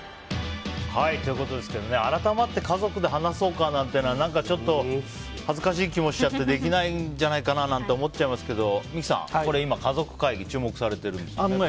改まって家族で話そうかなんていうのは何かちょっと恥ずかしい気もしちゃってできないんじゃないかなって思っちゃいますけど三木さん、今かぞくかいぎが注目されているんですね。